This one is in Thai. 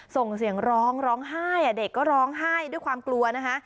ส่งเสียงร้องร้องไห้เด็กก็ร้องไห้ด้วยความกลัวนะคะ